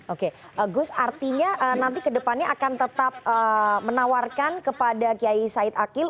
oke gus artinya nanti kedepannya akan tetap menawarkan kepada kiai said akil